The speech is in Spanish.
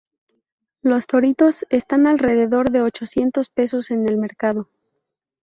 Los toritos están en alrededor de ochocientos pesos en el mercado.